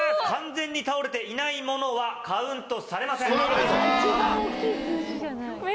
完全に倒れていないものはカウントされません。